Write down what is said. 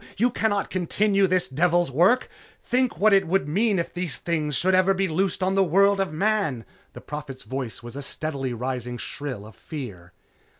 You cannot continue this devil's work! Think what it would mean if these things should ever be loosed on the world of Man!" the Prophet's voice was a steadily rising shrill of fear.